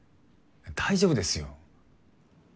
大丈夫ですよ。